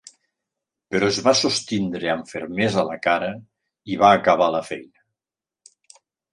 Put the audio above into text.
Però es va sostindre amb fermesa la cara i va acabar la feina.